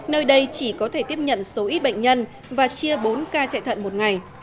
nơi đây chỉ có thể tiếp nhận số ít bệnh nhân và chia bốn ca chạy thận một ngày